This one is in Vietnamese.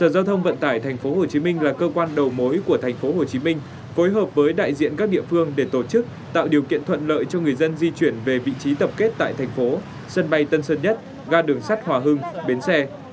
đối tượng phù hợp với đại diện các địa phương để tổ chức tạo điều kiện thuận lợi cho người dân di chuyển về vị trí tập kết tại tp hcm sân bay tân sơn nhất ga đường sắt hòa hưng bến xe